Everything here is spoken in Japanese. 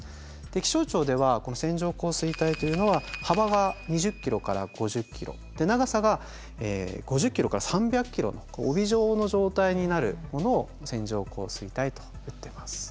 気象庁では線状降水帯というのは幅が２０ｋｍから５０ｋｍで長さが５０ｋｍから３００ｋｍの帯状の状態になるものを線状降水帯といっています。